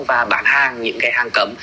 và bán hàng những cái hàng cấm